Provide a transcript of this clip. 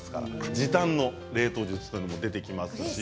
時短の冷凍術も出てきます。